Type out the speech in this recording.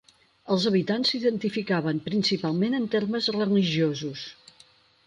Els habitants s'identificaven principalment en termes religiosos.